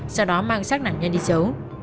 sau đó mang sát nạn nhân đi xấu